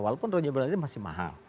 walaupun renewable energy masih mahal